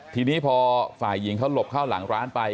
ทีนี้พอฝ่ายหญิงเขาหลบเข้าหลังร้านไป